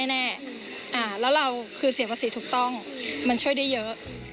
แน่แล้วเราคือเสียภาษีถูกต้องมันช่วยได้เยอะ